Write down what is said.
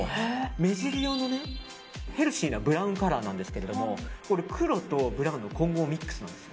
目尻用のヘルシーなブラウンカラーなんですけど黒とブラウンの混合ミックスなんです。